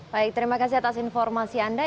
baik terima kasih atas informasi anda